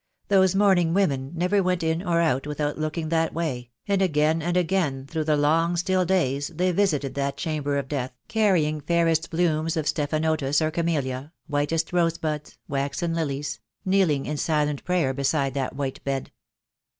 Those mourning women never went in or out without looking that way — and again and again through the long still days they visited that chamber of death, carrying fairest blooms of stephanotis or camellia, whitest rose buds, waxen lilies; kneeling in silent prayer beside that white bed.